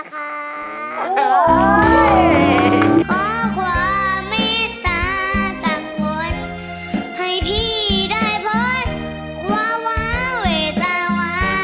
ขอความมิตราจังหวนให้พี่ได้พลวาวาเวทาวัน